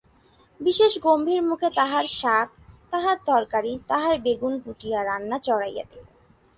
বিশেষ গম্ভীরমুখে তাহার শাক, তাহার তরকারি, তাহার বেগুন কুটিয়া রান্না চড়াইয়া দিল।